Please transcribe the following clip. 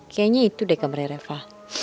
kayaknya itu deh kamarnya reva